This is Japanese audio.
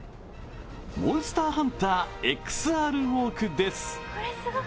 モンスターハンターＸＲＷＡＬＫです。